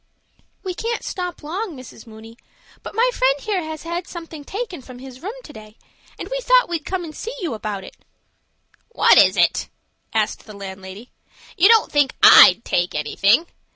"We can't stop long, Mrs. Mooney, but my friend here has had something taken from his room to day, and we thought we'd come and see you about it." "What is it?" asked the landlady. "You don't think I'd take anything?